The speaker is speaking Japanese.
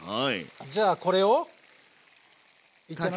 じゃあこれをいっちゃいます？